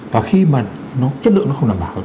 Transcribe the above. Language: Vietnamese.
và khi mà nó chất lượng nó không đảm bảo